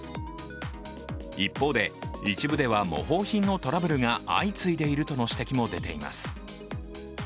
一方で、一部では模倣品のトラブルが相次いでいるとの指摘も出ています。